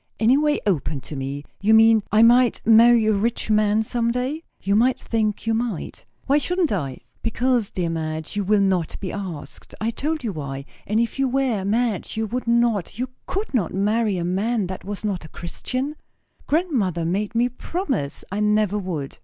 "Any way open to me? You mean, I might marry a rich man some day?" "You might think you might." "Why shouldn't I?" "Because, dear Madge, you will not be asked. I told you why. And if you were, Madge, you would not, you could not, marry a man that was not a Christian? Grandmother made me promise I never would."